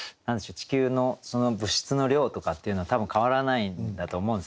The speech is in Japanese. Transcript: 地球の物質の量とかっていうのは多分変わらないんだと思うんです。